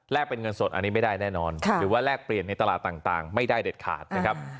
เป็นเงินสดอันนี้ไม่ได้แน่นอนหรือว่าแลกเปลี่ยนในตลาดต่างไม่ได้เด็ดขาดนะครับ